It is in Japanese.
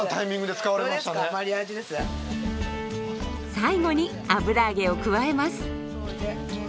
最後に油揚げを加えます。